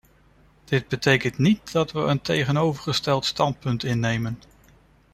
Dit betekent niet dat we een tegenovergesteld standpunt innemen.